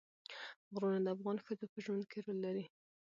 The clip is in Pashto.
غرونه د افغان ښځو په ژوند کې رول لري.